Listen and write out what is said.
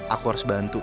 aku harus bantu